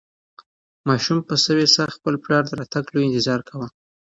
ماشوم په سوې ساه د خپل پلار د راتګ لوی انتظار کاوه.